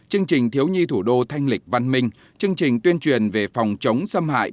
chương trình thiếu nhi thủ đô thanh lịch văn minh chương trình tuyên truyền về phòng chống xâm hại